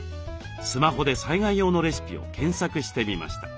スマホで災害用のレシピを検索してみました。